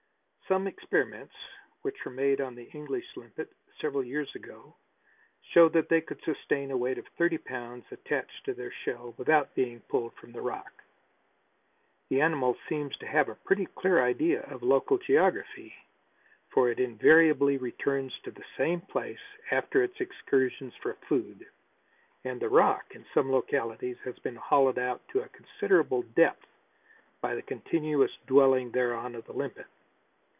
Some experiments which were made on the English limpet several years ago showed that they could sustain a weight of thirty pounds attached to their shell without being pulled from the rock. The animal seems to have a pretty clear idea of local geography, for it invariably returns to the same place after its excursions for food and the rock in some localities has been hollowed out to a considerable depth by the continuous dwelling thereon of the limpet.